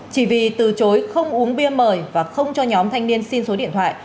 chỉ vì từ chối không uống bia mời và không cho nhóm thanh niên xin số điện thoại